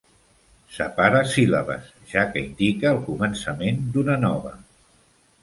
Separa síl·labes, ja que indica el començament d"una nova.